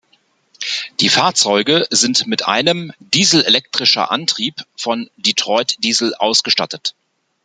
Die Fahrzeuge sind mit einem dieselelektrischer Antrieb von Detroit Diesel ausgestattet.